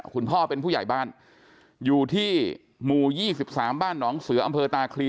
คุณพ่อเป็นผู้ใหญ่บ้านอยู่ที่หมู่๒๓บ้านหนองเสืออำเภอตาคลี